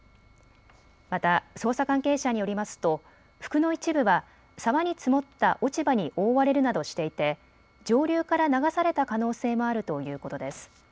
また捜査関係者によりますと服の一部は沢に積もった落ち葉に覆われるなどしていて上流から流された可能性もあるということです。